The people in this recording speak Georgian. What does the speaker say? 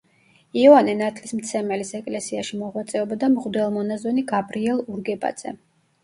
იოანე ნათლისმცემელის ეკლესიაში მოღვაწეობდა მღვდელმონაზონი გაბრიელ ურგებაძე.